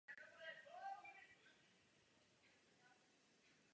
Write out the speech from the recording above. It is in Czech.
Proto byly později přemístěny ke stěně kostela včetně těch žulových.